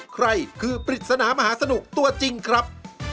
ใครคือปริศนามหาสนุกตัวจริงครับ